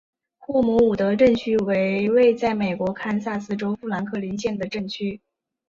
霍姆伍德镇区为位在美国堪萨斯州富兰克林县的镇区。